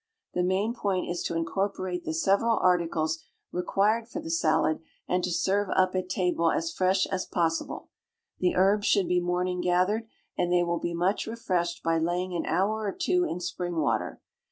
The main point is to incorporate the several articles required for the salad, and to serve up at table as fresh as possible. The herbs should be "morning gathered," and they will be much refreshed by laying an hour or two in spring water.